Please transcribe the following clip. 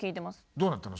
どうなったの？